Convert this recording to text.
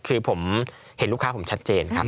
คือผมเห็นลูกค้าผมชัดเจนครับ